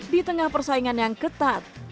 di tengah persaingan yang ketat